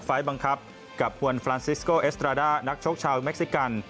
บังคับกับฮวนฟรานซิสโกเอสตราด้านักชกชาวเม็กซิกัน